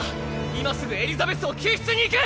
今すぐエリザベスを救出に行く！